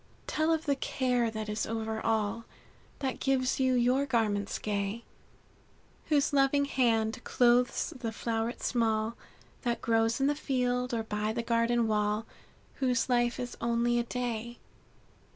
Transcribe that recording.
"Tell of the care that is over all That gives you your garments gay; Whose loving hand clothes the floweret small That grows in the field, or by the garden wall, Whose life is only a day.